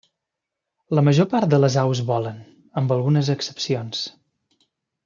La major part de les aus volen, amb algunes excepcions.